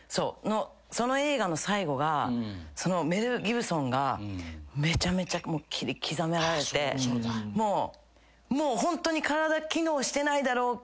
その映画の最後がメル・ギブソンがめちゃめちゃ切り刻められてもうホントに体機能してないだろう